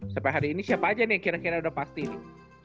sampai hari ini siapa aja nih kira kira udah pasti nih